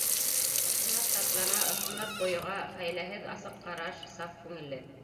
Ысынлап шатлана, ысынлап бойоға, хәйләһеҙ асыҡ ҡараш, саф күңелле.